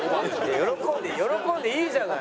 喜んで喜んでいいじゃない。